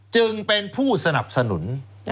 จึงเป็นผู้สนับสนุน